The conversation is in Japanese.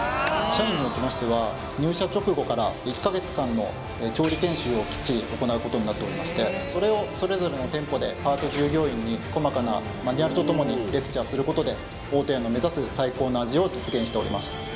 社員におきましては入社直後から１か月間の調理研修をきっちり行うことになっておりましてそれをそれぞれの店舗でパート従業員に細かなマニュアルとともにレクチャーすることで大戸屋の目指す最高の味を実現しております